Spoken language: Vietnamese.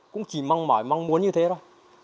cũng chỉ mong mỏi mong muốn như thế thôi